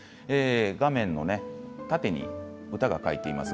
画面の縦に歌が書いています。